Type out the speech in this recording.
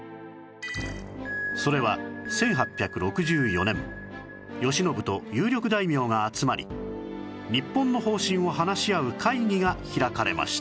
それは１８６４年慶喜と有力大名が集まり日本の方針を話し合う会議が開かれました